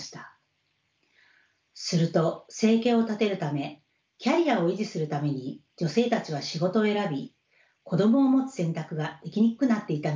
すると生計を立てるためキャリアを維持するために女性たちは仕事を選び子どもを持つ選択ができにくくなっていたのです。